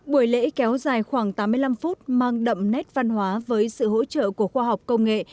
buổi lễ kéo dài khoảng tám mươi năm phút mang đậm nét văn hóa với sự hỗ trợ của khoa học công nghệ